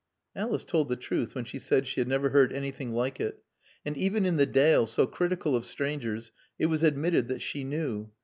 Alice told the truth when she said she had never heard anything like it; and even in the dale, so critical of strangers, it was admitted that she knew.